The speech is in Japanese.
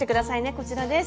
こちらです。